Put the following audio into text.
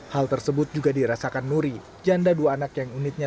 hal tersebut juga dirasakan nuri janda dua anak yang unitnya